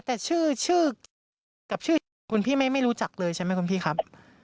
แต่ชื่อกับชื่อคุณพี่ไม่รู้จักเลยใช่ไหมคุณพี่ครับ